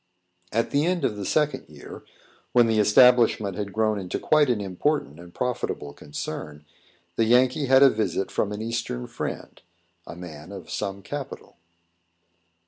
At the end of the second year, when the establishment had grown into quite an important and profitable concern, the Yankee had a visit from an Eastern friend, a man of some capital.